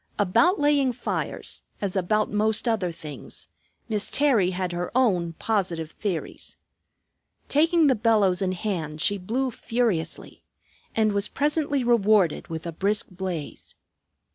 About laying fires, as about most other things, Miss Terry had her own positive theories. Taking the bellows in hand she blew furiously, and was presently rewarded with a brisk blaze.